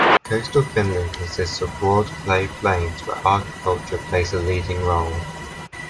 Coastal Finland consists of broad clay plains where agriculture plays a leading role.